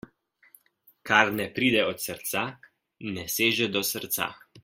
Kar ne pride od srca, ne seže do srca.